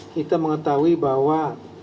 kita mengetahui bahwa